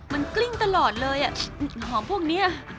มันกลิ้งตลอดเลยอ่ะหอมพวกนี้